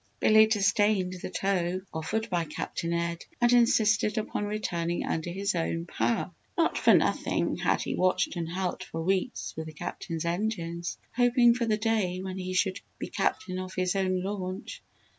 Billy disdained the tow offered by Captain Ed and insisted upon returning under his own power. Not for nothing had he watched and helped for weeks with the Captain's engines, hoping for the day when he should be captain of his own launch.